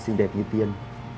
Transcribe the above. em xinh đẹp như tiên